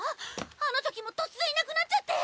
あの時も突然いなくなっちゃって！